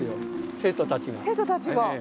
生徒たちが！